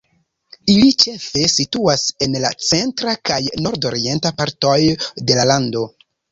Ili ĉefe situas en la centra kaj nordorienta partoj de la lando.